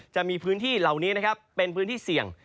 จะมีพื้นที่เหล่านี้นะครับเป็นพื้นที่เสี่ยง